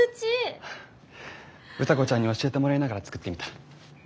歌子ちゃんに教えてもらいながら作ってみた。